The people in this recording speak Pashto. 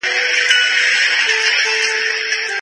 د غوښې زیات مصرف بدن بدبوي کوي.